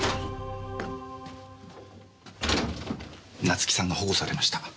夏樹さんが保護されました。